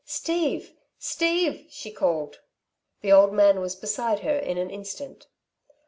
"Steve Steve!" she called. The old man was beside her in an instant.